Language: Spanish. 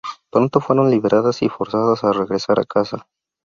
Pronto fueron liberadas y forzadas a regresar a casa.